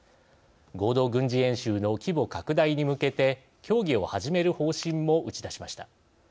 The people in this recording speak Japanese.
合同軍事演習の規模拡大に向けて協議を始める方針も打ち出しました。